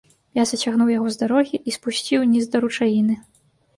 Я зацягнуў яго з дарогі і спусціў уніз да ручаіны.